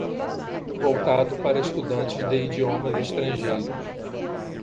voltado para estudantes de idiomas estrangeiros.